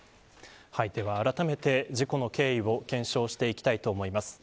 あらためて、事故の経緯を検証していきたいと思います。